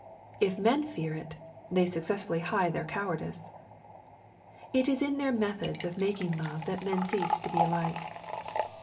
If men fear it, they successfully hide their cowardice. It is in their methods of making love that men cease to be alike.